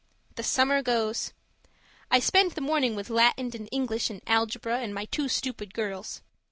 The summer goes. I spend the morning with Latin and English and algebra and my two stupid girls.